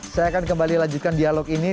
saya akan kembali lanjutkan dialog ini